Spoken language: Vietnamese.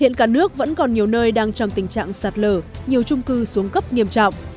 hiện cả nước vẫn còn nhiều nơi đang trong tình trạng sạt lở nhiều trung cư xuống cấp nghiêm trọng